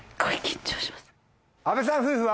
阿部さん夫婦は。